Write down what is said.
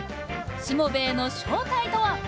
しもべえの正体とは？